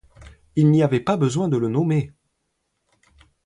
Il n’y avait pas besoin de le nommer !